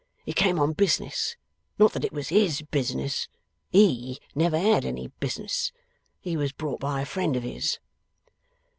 He came on business; not that it was HIS business HE never had any business he was brought by a friend of his.